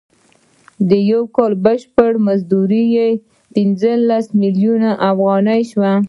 د یو کال بشپړ مزد به یې پنځوس میلیونه افغانۍ شي